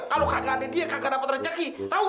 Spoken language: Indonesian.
kalo kagak ada dia kagak dapet rezeki tau ga